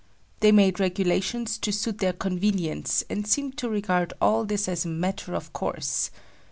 They made regulations to suit their convenience and seemed to regard all this as a matter of course.